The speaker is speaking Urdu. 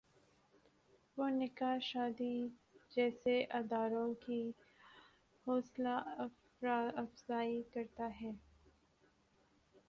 وہ نکاح شادی جیسے اداروں کی حوصلہ افزائی کرتا ہے۔